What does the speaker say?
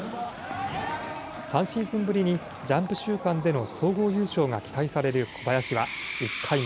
３シーズンぶりにジャンプ週間での総合優勝が期待される小林は、１回目。